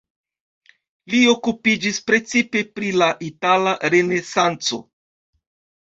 Li okupiĝis precipe pri la itala renesanco.